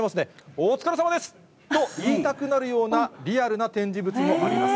お疲れさまです！と言いたくなるような、リアルな展示物もあります。